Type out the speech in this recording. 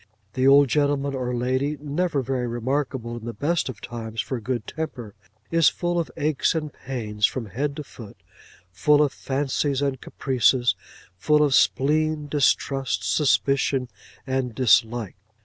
The old gentleman or lady, never very remarkable in the best of times for good temper, is full of aches and pains from head to foot; full of fancies and caprices; full of spleen, distrust, suspicion, and dislike.